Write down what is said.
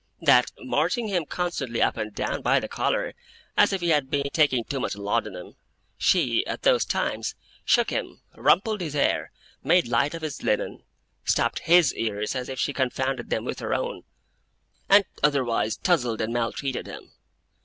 That, marching him constantly up and down by the collar (as if he had been taking too much laudanum), she, at those times, shook him, rumpled his hair, made light of his linen, stopped his ears as if she confounded them with her own, and otherwise tousled and maltreated him.